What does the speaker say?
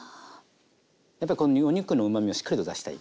やっぱこのお肉のうまみをしっかりと出したい。